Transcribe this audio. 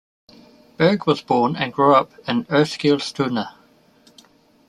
Berg was born and grew up in Eskilstuna.